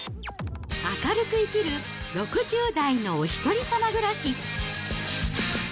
明るく生きる６０代のお一人様暮らし。